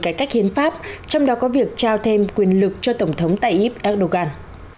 cải cách hiến pháp trong đó có việc trao thêm quyền lực cho tổng thống tayyip erdogan